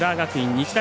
日大